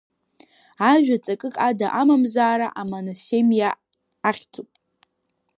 Ажәа ҵакык ада амамзаара амоносемиа ахьӡуп.